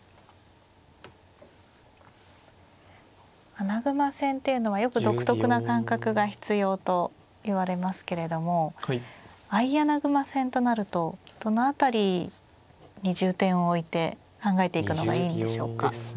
穴熊戦っていうのはよく独特な感覚が必要といわれますけれども相穴熊戦となるとどの辺りに重点を置いて考えていくのがいいんでしょうか。